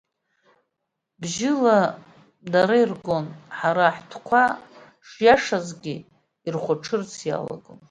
Бжьыла дара иргон, ҳара ҳтәқәа шиашазгьы ирхәаҽырц иалагон…